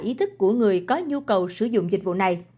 ý thức của người có nhu cầu sử dụng dịch vụ này